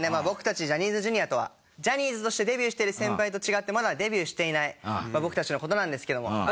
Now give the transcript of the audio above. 僕たちジャニーズＪｒ．とはジャニーズとしてデビューしている先輩と違ってまだデビューしていない僕たちの事なんですけども。